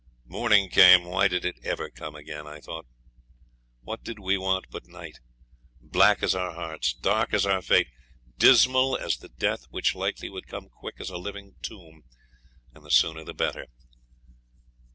Morning came. Why did it ever come again? I thought. What did we want but night? black as our hearts dark as our fate dismal as the death which likely would come quick as a living tomb, and the sooner the better.